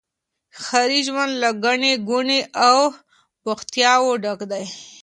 ښاري ژوند له ګڼي ګوڼي او بوختياوو ډک دی.